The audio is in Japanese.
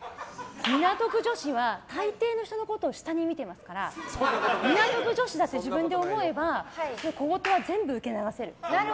港区女子はたいていの人のことを下に見てますから港区女子だって自分で思えば小言は全部受け流せる。